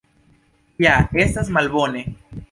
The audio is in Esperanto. Ja estas malbone!